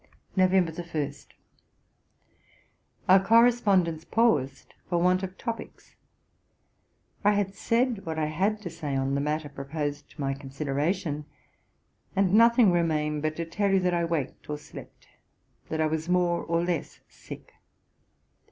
Nov. 1. 'Our correspondence paused for want of topicks. I had said what I had to say on the matter proposed to my consideration; and nothing remained but to tell you, that I waked or slept; that I was more or less sick.